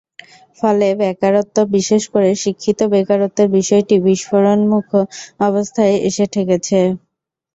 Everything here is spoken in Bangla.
ফলে বেকারত্ব, বিশেষ করে শিক্ষিত বেকারত্বের বিষয়টি বিস্ফোরণোন্মুখ অবস্থায় এসে ঠেকেছে।